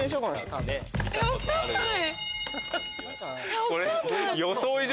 分かんない。